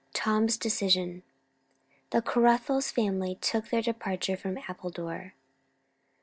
TOM'S DECISION. The Caruthers family took their departure from Appledore.